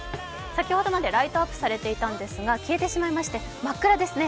先ほどまでライトアップされていたんですが、消えてしまいまして、真っ暗ですね。